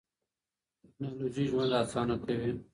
ټیکنالوژي ژوند اسانه کوي.